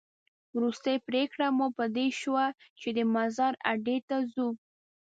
وروستۍ پرېکړه مو په دې شوه چې د مزار اډې ته ځو.